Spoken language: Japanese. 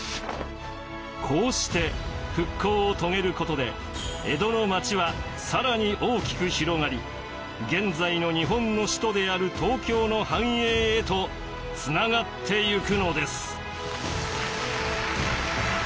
こうして復興を遂げることで江戸のまちは更に大きく広がり現在の日本の首都である東京の繁栄へとつながってゆくのです。